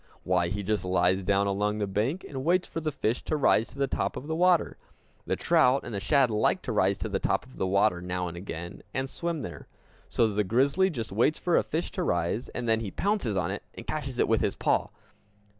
Why, he just lies down along the bank, and waits for the fish to rise to the top of the water. The trout and the shad like to rise to the top of the water now and again, and swim there. So the grizzly just waits for a fish to rise and then he pounces on it and catches it with his paw.